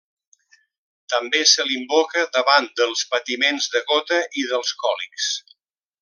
També se l'invoca davant dels patiments de gota i dels còlics.